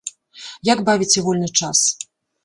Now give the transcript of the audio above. Як бавіце вольны час?